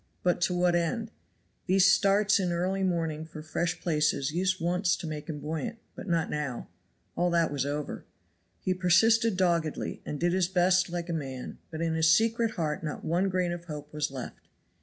But to what end. These starts in early morning for fresh places used once to make him buoyant, but not now. All that was over. He persisted doggedly, and did his best like a man, but in his secret heart not one grain of hope was left.